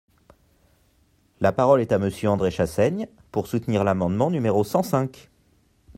La parole est à Monsieur André Chassaigne, pour soutenir l’amendement numéro cent cinq.